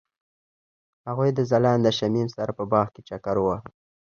هغوی د ځلانده شمیم سره په باغ کې چکر وواهه.